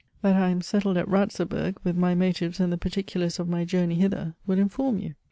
that I am settled at Ratzeburg, with my motives and the particulars of my journey hither, will inform you.